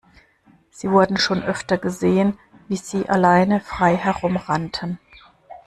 Sie wurden schon öfter gesehen, wie sie alleine frei herum rannten.